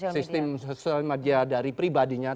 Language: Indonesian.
sistem sosial media dari pribadinya